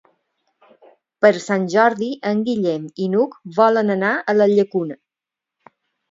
Per Sant Jordi en Guillem i n'Hug volen anar a la Llacuna.